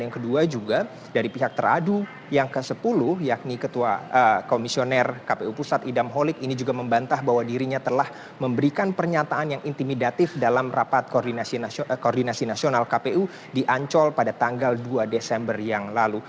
yang kedua juga dari pihak teradu yang ke sepuluh yakni ketua komisioner kpu pusat idam holik ini juga membantah bahwa dirinya telah memberikan pernyataan yang intimidatif dalam rapat koordinasi nasional kpu di ancol pada tanggal dua desember yang lalu